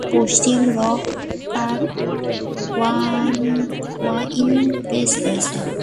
পশ্চিমে রক-কাট ওয়াইন-প্রেস রয়েছে।